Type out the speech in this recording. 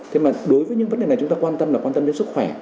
thế mà đối với những vấn đề này chúng ta quan tâm là quan tâm đến sức khỏe